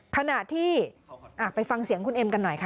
ขณะที่ไปฟังเสียงคุณเอ็มกันหน่อยค่ะ